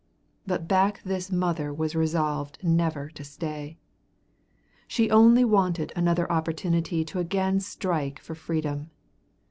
But back this mother was resolved never to stay. She only wanted another opportunity to again strike for freedom.